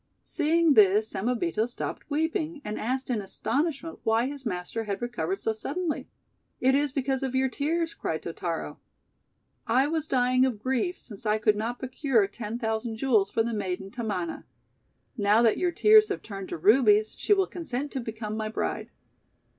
Seeing this, Samebito stopped weeping, and asked in astonishment why his master had re covered so suddenly. "It is because of your tears!' cried Totaro. THE JEWEL TEARS 237 "I was dying of grief since I could not procure ten thousand jewels for the maiden Tamana. Now that your tears have turned to Rubies, she will consent to become my bride!'